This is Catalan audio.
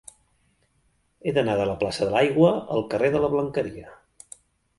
He d'anar de la plaça de l'Aigua al carrer de la Blanqueria.